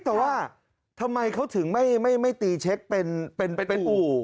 แต่ว่าทำไมเขาถึงไม่ตีเช็คเป็นอู่